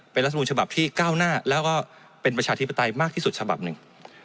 เป็นรัฐมนูลฉบับที่ก้าวหน้าแล้วก็เป็นประชาธิปไตยมากที่สุดฉบับหนึ่ง